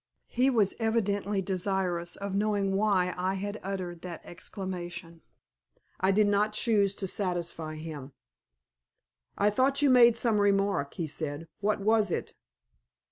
He was evidently desirous of knowing why I had uttered that exclamation. I did not choose to satisfy him. "I thought you made some remark," he said. "What was it?"